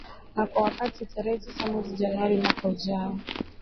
na kwa wakati tarehe tisa mwezi januari mwaka ujao